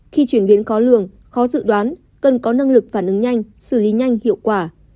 khi chuyển biến khó lường khó dự đoán cần có năng lực phản ứng nhanh xử lý nhanh hiệu quả